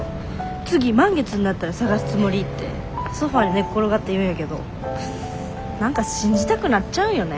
次満月になったら探すつもり」ってソファーに寝っ転がって言うんやけど何か信じたくなっちゃうんよね。